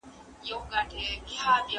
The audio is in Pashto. دا کتابتون له هغه ارام دی!.